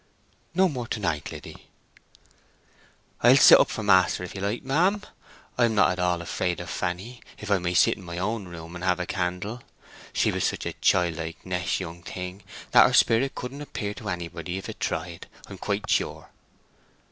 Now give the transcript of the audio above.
"No more to night, Liddy." "I'll sit up for master if you like, ma'am. I am not at all afraid of Fanny, if I may sit in my own room and have a candle. She was such a childlike, nesh young thing that her spirit couldn't appear to anybody if it tried, I'm quite sure."